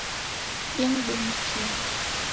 Dimdumikie